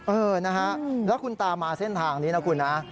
เออนะฮะแล้วคุณตามาเส้นทางนี้นะคุณนะ